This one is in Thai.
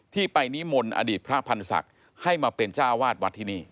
ที่ไปนิมนต์อดีตพระพันธ์ศักดิ์ให้มาเป็นเจ้าวาดวัดที่นี่